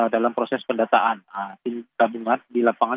dalam proses pendataan tim gabungan di lapangan